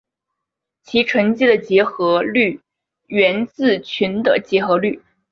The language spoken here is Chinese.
其乘积的结合律源自群的结合律。